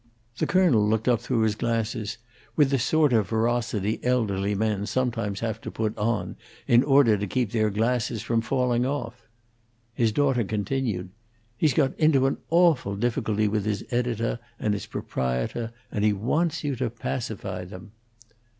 The colonel looked up through his glasses with the sort of ferocity elderly men sometimes have to put on in order to keep their glasses from falling off. His daughter continued: "He's got into an awful difficulty with his edito' and his proprieto', and he wants you to pacify them."